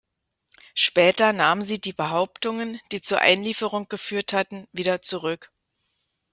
Später nahm sie die Behauptungen, die zur Einlieferung geführt hatten, wieder zurück.